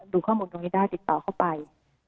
ดูข้อมูลตรงนี้ได้ติดต่อเข้าไป